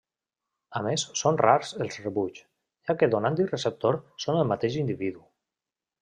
A més són rars els rebuigs, ja que donant i receptor són el mateix individu.